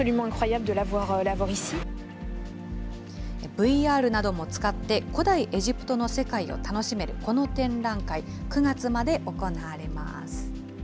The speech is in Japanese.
ＶＲなども使って、古代エジプトの世界を楽しめるこの展覧会、９月まで行われます。